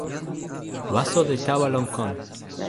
waso li tawa lon kon.